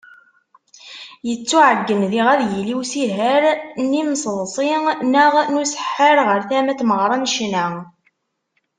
Yettuɛeggen diɣ ad yili usiher n yimseḍsi neɣ n useḥḥar ɣer tama n tmeɣra n ccna.